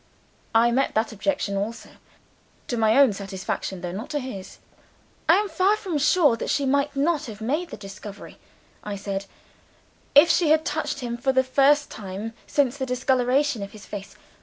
I met that objection also to my own satisfaction, though not to his. "I am far from sure that she might not have made the discovery," I said, "if she had touched him for the first time, since the discoloration of his face.